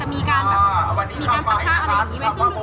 อย่างที่บอกไปว่าเรายังยึดในเรื่องของข้อ